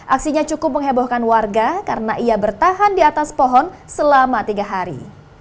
aksinya cukup menghebohkan warga karena ia bertahan di atas pohon selama tiga hari